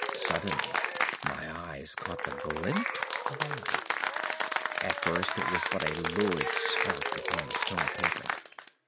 Suddenly my eyes caught the glint of a light. At first it was but a lurid spark upon the stone pavement.